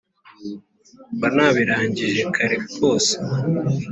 Mba nabirangije kare kose!